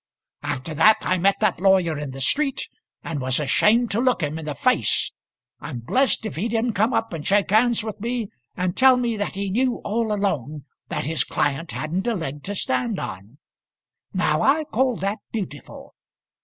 "After that I met that lawyer in the street, and was ashamed to look him in the face. I'm blessed if he didn't come up and shake hands with me, and tell me that he knew all along that his client hadn't a leg to stand on. Now I call that beautiful."